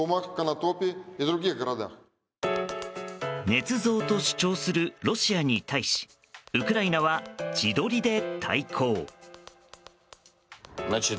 ねつ造と主張するロシアに対しウクライナは自撮りで対抗。